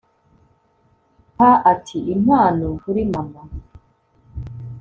pa ati impano kuri mama